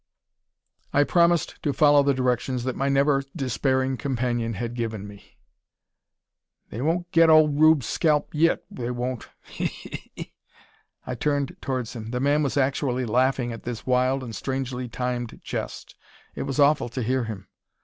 I promised to follow the directions that my never despairing companion had given me. "They won't get old Rube's scalp yit, they won't. He! he! he!" I turned towards him. The man was actually laughing at this wild and strangely timed jest. It was awful to hear him.